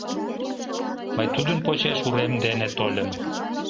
Мый тудын почеш урем дене тольым.